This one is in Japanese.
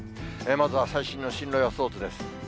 まずは最新の進路予想図です。